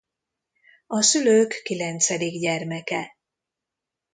A szülők kilencedik gyermeke.